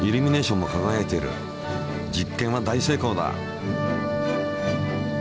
実験は大成功だ。